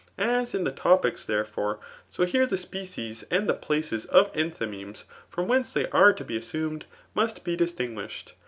] As in the Topics', therefore, so here the species and the places of enthy' memeSp from whence they are to be assumed, must be distinguished.